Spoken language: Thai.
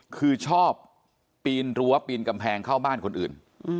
คือชอบปีนรั้วปีนกำแพงเข้าบ้านคนอื่น